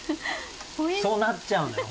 そうなっちゃうのよ。